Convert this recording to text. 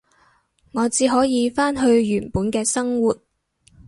我只可以返去原本嘅生活